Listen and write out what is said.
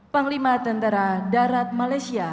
panglima tentera darat malaysia